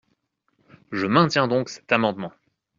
Je maintiens donc cet amendement.